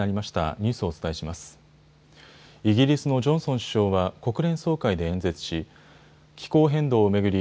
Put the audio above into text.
イギリスのジョンソン首相は国連総会で演説し気候変動を巡り